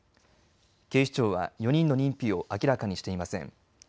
警視庁は４人の認否を明らかにしていません。